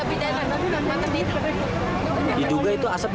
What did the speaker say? itu juga asap dari kamar atau